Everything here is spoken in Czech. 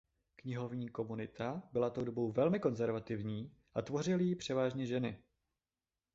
Knihovní komunita byla tou dobou velmi konzervativní a tvořily ji převážně ženy.